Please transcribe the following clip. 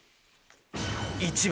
１番。